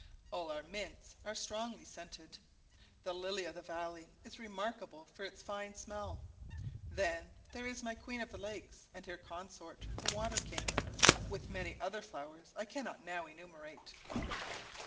All our Mints are strong scented: the lily of the valley is remarkable for its fine smell; then there is my queen of the lakes, and her consort, the water king, with many other flowers I cannot now enumerate.